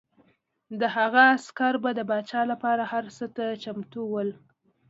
د هغه عسکر به د پاچا لپاره هر څه ته چمتو ول.